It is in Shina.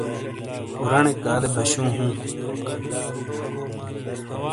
اورانیک آدے باشوں ہوں۔